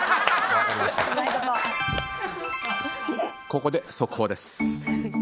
ここで速報です。